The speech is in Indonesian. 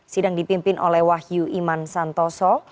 sidang dipimpin oleh wahyu iman santoso